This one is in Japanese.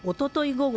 午後